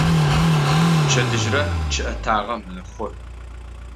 Пчэдыжьрэ чъыӀэтагъэ мэхъу.